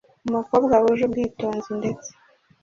umukobwa wuje ubwitonzi ndetse